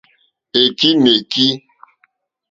Èkí nà èkí.